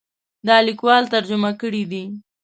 دا لیکوال ترجمه کړی دی.